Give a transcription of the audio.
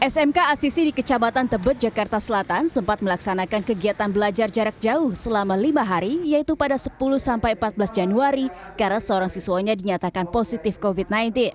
smk asisi di kecamatan tebet jakarta selatan sempat melaksanakan kegiatan belajar jarak jauh selama lima hari yaitu pada sepuluh sampai empat belas januari karena seorang siswanya dinyatakan positif covid sembilan belas